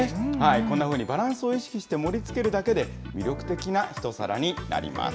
こんなふうにバランスを意識して盛りつけるだけで、魅力的な一皿になります。